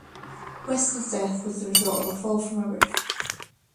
Weston's death was the result of a fall from a roof.